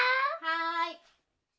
はい。